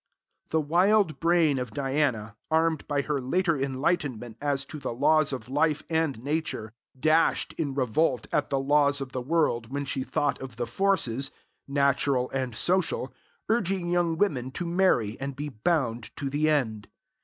The wild brain of Diana, armed by her later enlightenment as to the laws of life and nature, dashed in revolt at the laws of the world when she thought of the forces, natural and social, urging young women to marry and be bound to the end.